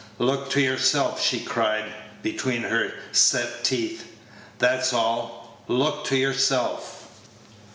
"Look to yourself!" she cried, between her set teeth; "that's all. Look to yourself!"